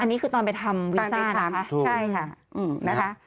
อันนี้คือตอนไปทำวีซ่านะคะใช่ค่ะนะคะ